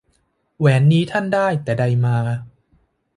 แหวนนี้ท่านได้ แต่ใดมา